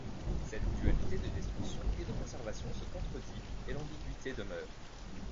Cette dualité de destruction et de conservation se contredit et l'ambiguïté demeure.